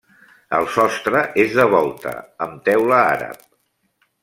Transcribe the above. El sostre és de volta, amb teula àrab.